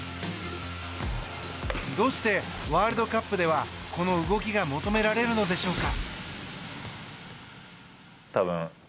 どうして、ワールドカップではこの動きが求められるのでしょうか。